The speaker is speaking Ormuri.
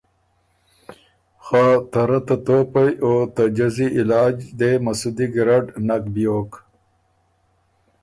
خه ته رۀ ته توپئ او ته جزی علاج دې مسُودی ګیرډ نک بیوک۔